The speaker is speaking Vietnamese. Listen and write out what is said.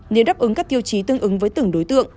nếu đáp ứng các tiêu chí tương ứng với từng đối tượng